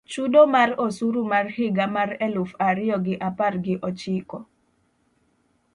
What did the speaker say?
Chudo mar osuru mar higa mar eluf ario gi apar gi ochiko